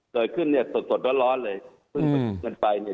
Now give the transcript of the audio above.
เกิดขึ้นสดร้อนเลยเพิ่งไปกันไป